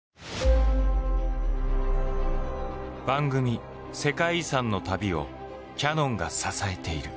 番組「世界遺産」の旅をキヤノンが支えている。